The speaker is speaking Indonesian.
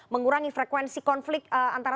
mengurangi frekuensi konflik antara